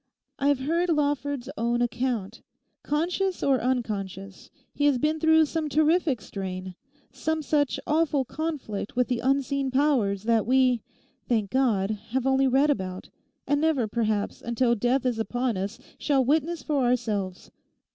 I have heard Lawford's own account. Conscious or unconscious, he has been through some terrific strain, some such awful conflict with the unseen powers that we—thank God!—have only read about, and never perhaps, until death is upon us, shall witness for ourselves.